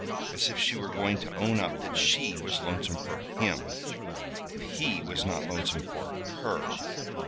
As if she were going to own up that she was lonesome for him if he was not lonesome for _her!